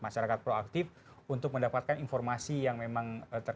masyarakat proaktif untuk mendapatkan informasi yang memang